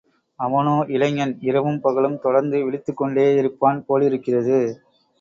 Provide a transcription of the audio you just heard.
அவனோ இளைஞன், இரவும் பகலும் தொடர்ந்து விழித்துக் கொண்டேயிருப்பான் போலிருக்கிறது.